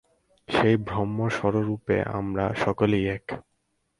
সেই ব্রহ্মস্বরূপে আমরা সকলেই এক।